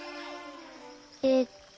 えっと。